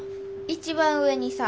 一番上にさ。